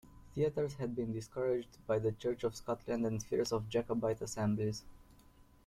Theatres had been discouraged by the Church of Scotland and fears of Jacobite assemblies.